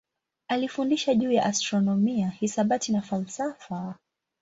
Alifundisha juu ya astronomia, hisabati na falsafa.